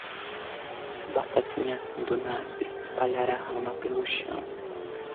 Batatinha quando nasce espalhar a rama pelo chao